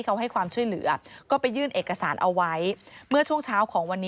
โปรดติดตามต่างกรรมโปรดติดตามต่างกรรม